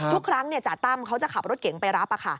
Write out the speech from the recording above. ทุกครั้งจ่าตั้มเขาจะขับรถเก๋งไปรับ